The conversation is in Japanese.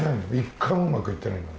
１回もうまく行ってないんだ